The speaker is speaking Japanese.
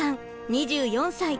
２４歳。